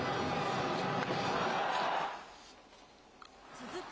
続く